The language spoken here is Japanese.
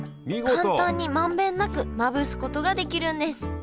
簡単に満遍なくまぶすことができるんです